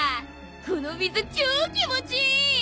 この水超気持ちいい！